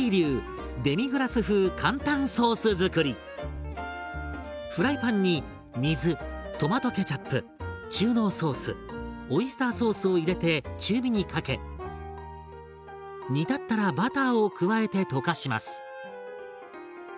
続いてフライパンに水トマトケチャップ中濃ソースオイスターソースを入れて中火にかけ煮立ったらバターを加えて溶かします。